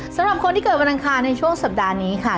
สำหรับคนที่เกิดวันอังคารในช่วงสัปดาห์นี้ค่ะ